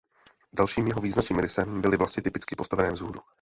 Dalším jeho význačným rysem byly vlasy typicky postavené vzhůru.